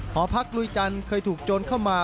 หอพักลุยจันทร์เคยถูกโจรเข้ามา